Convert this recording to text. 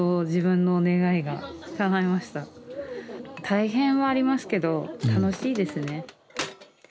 大変はありますけど楽しいですね。